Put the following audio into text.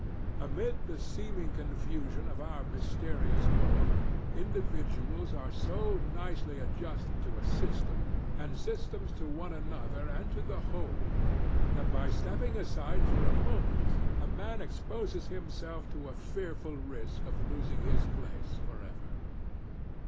Amid the seeming confusion of our mysterious world individuals are so nicely adjusted to a system, and systems to one another and to a whole, that by stepping aside for a moment a man exposes himself to a fearful risk of losing his place for ever.